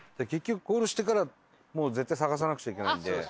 結局ゴールしてからもう絶対探さなくちゃいけないんで。